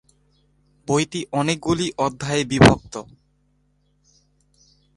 বইটি অনেকগুলি অধ্যায়ে বিভক্ত।